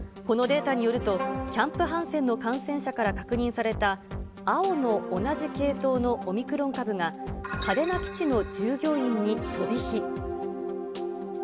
このデータによると、キャンプ・ハンセンの感染者から確認された、青の同じ系統のオミクロン株が嘉手納基地の従業員に飛び火。